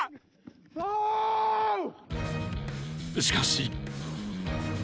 ［しかし］